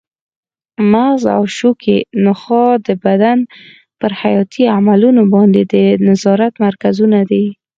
مغز او شوکي نخاع د بدن پر حیاتي عملونو باندې د نظارت مرکزونه دي.